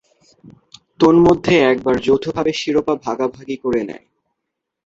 তন্মধ্যে একবার যৌথভাবে শিরোপা ভাগাভাগি করে নেয়।